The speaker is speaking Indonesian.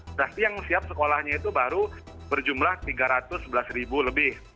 berarti yang siap sekolahnya itu baru berjumlah tiga ratus sebelas ribu lebih